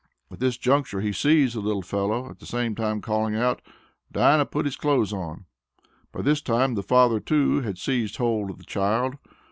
At this juncture he seized the little fellow, at the same time calling out, "Dinah, put his clothes on." By this time the father too had seized hold of the child.